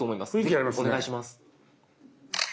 ぜひお願いします。